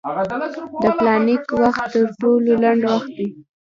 د پلانک وخت تر ټولو لنډ وخت دی.